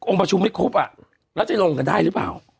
ประชุมไม่ครบอ่ะแล้วจะลงกันได้หรือเปล่า